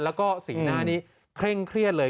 แล้วก็สีหน้านี้เคร่งเครียดเลย